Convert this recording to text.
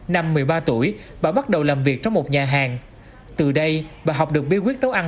năm một mươi ba tuổi bà bắt đầu làm việc trong một nhà hàng từ đây bà học được bí quyết nấu ăn